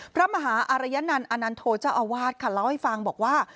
พระมหาอารยนันต์อชะอวัดเล่าให้ฟังบอกว่า